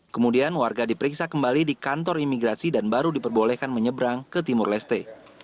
kemudian warga diperiksa kembali di kantor imigrasi dan baru diperbolehkan menyeberang ke timur leste